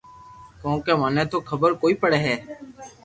ڪونڪھ مني تو خبر ڪوئي پڙي ھي